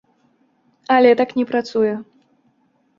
Але так не працуе.